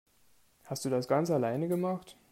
Hast du das ganz alleine gemacht?